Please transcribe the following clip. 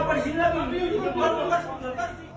siapa di sini lagi